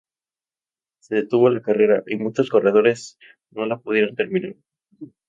Se detuvo la carrera, y muchos corredores no la pudieron terminar.